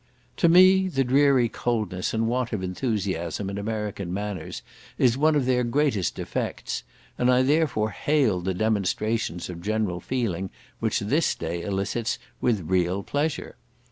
To me, the dreary coldness and want of enthusiasm in American manners is one of their greatest defects, and I therefore hailed the demonstrations of general feeling which this day elicits with real pleasure.